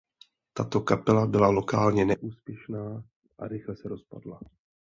Tato kapela byla lokálně neúspěšná a rychle se rozpadla.